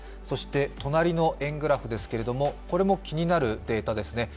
そして隣の円グラフですけれどもこれも気になるデータです。